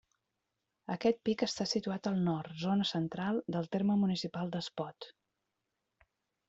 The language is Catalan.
Aquest pic està situat al nord, zona central, del terme municipal d'Espot.